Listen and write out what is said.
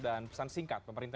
dan pesan singkat memperhatikan